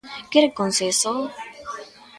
¿Quere consenso?